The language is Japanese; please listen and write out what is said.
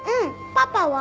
パパは？